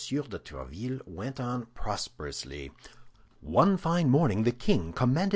de Tréville went on prosperously. One fine morning the king commanded M.